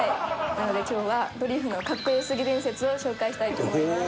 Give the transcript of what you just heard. なので今日はドリフの格好良すぎ伝説を紹介したいと思います。